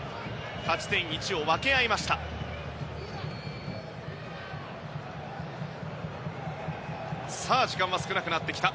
勝ち点１を分け合いました。